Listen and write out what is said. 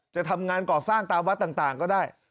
จะทำงานก่อสร้างตามวัดต่างก็ได้